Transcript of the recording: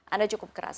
anda cukup keras